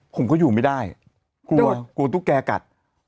ผมก็อยู่ไม่ได้กลัวทุกแขกัด